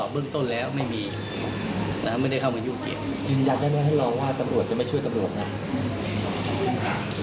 ยืนยันได้ไหมให้รองว่าตำรวจจะไม่ช่วยตำรวจ